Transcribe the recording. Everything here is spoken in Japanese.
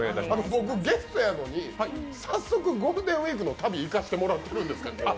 僕、ゲストなのに、早速ゴールデンウイークの旅、行かせてもらってます。